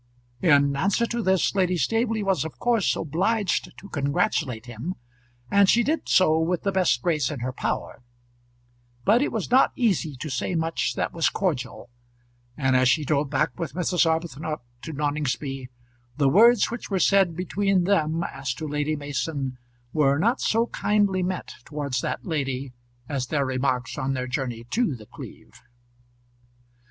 In answer to this Lady Staveley was of course obliged to congratulate him, and she did so with the best grace in her power; but it was not easy to say much that was cordial, and as she drove back with Mrs. Arbuthnot to Noningsby the words which were said between them as to Lady Mason were not so kindly meant towards that lady as their remarks on their journey to The Cleeve.